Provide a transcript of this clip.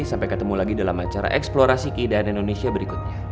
sampai ketemu lagi dalam acara eksplorasi keindahan indonesia berikutnya